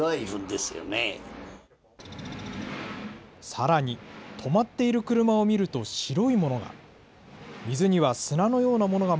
さらに、止まっている車を見ると、白いものが。